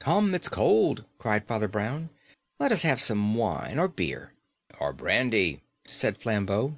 "Come, it's cold," cried Father Brown; "let's have some wine or beer." "Or brandy," said Flambeau.